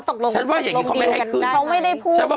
แต่ประเด็นคือเคสนี้เขาให้ขึ้นหรือเปล่า